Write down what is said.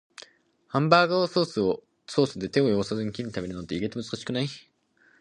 ハンバーガーをソースで手を汚さずにきれいに食べるのって、意外と難しくない？